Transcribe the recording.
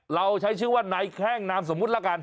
เราใช้ชื่อว่านายแข้งนามสมมุติละกัน